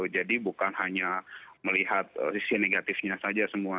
jadi bukan hanya melihat isi negatifnya saja semua